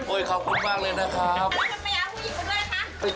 โอ้ยขอบคุณมากเลยนะครับ